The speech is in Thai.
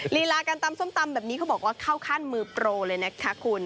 ลีลาการตำส้มตำแบบนี้เขาบอกว่าเข้าขั้นมือโปรเลยนะคะคุณ